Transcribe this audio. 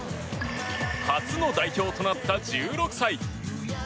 初の代表となった１６歳。